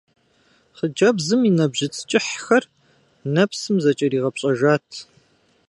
Хъыджэбзым и нэбжьыц кӀыхьхэр нэпсым зэкӀэригъэпщӀэжат.